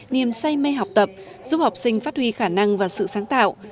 niềm say mê học tập giúp học sinh phát huy khả năng và sự sáng tạo